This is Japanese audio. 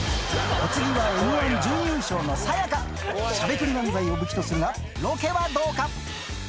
お次は『Ｍ−１』準優勝しゃべくり漫才を武器とするがロケはどうか？